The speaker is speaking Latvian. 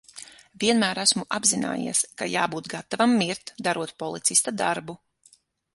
Vienmēr esmu apzinājies, ka jābūt gatavam mirt, darot policista darbu.